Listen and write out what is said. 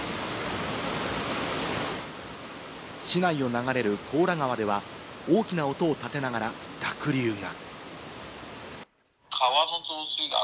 市内を流れる高良川では大きな音を立てながら濁流が。